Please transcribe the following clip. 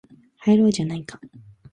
入ろうじゃないか